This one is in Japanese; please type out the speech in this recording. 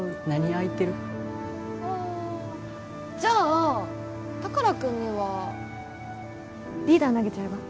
ああじゃあ宝くんにはリーダー投げちゃえば？